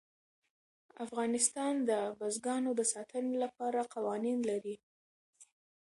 افغانستان د بزګانو د ساتنې لپاره قوانین لري.